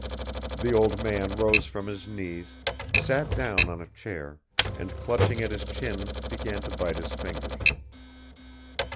The old man rose from his knees, sat down on a chair and clutching at his chin began to bite his fingers.